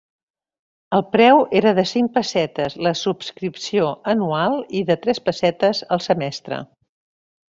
El preu era de cinc pessetes la subscripció anual i de tres pessetes el semestre.